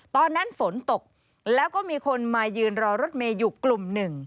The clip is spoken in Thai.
ตอนนั้นฝนตกแล้วก็มีคนมายืนรอรถเมย์อยู่กลุ่มหนึ่ง